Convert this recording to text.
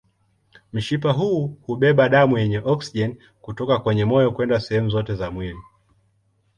Mshipa huu hubeba damu yenye oksijeni kutoka kwenye moyo kwenda sehemu zote za mwili.